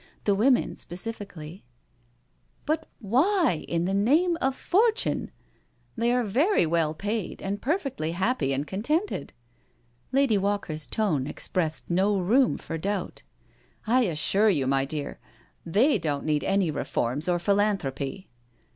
The women speci ally/' " But why in the name of fortune? They are very well paid and perfectly happy and contented." Lady Walker's tone expressed no room for doubt. '* I assure you, my dear, they don't need any reforms or. philan thropy."